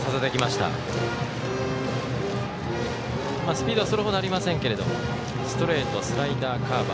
スピードはそれほどありませんけれどもストレート、スライダー、カーブ。